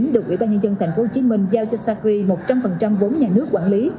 được ủy ban nhân dân tp hcm giao cho sacri một trăm linh vốn nhà nước quản lý